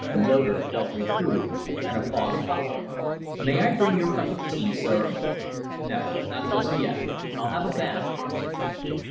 Loder felt reproved, and a pause followed. "May I bring your cup of tea, sir?" "No. Not just yet. I'll have a bath first."